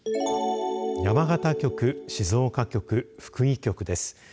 山形局、静岡局福井局です。